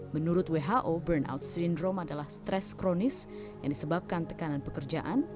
menurut who burnout syndrome adalah stres kronis yang disebabkan tekanan pekerjaan